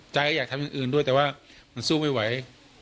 ใจอยากทำอื่นด้วยแต่มันสู้ไม่ไหว